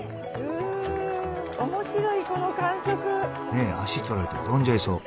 ねえ足とられて転んじゃいそう。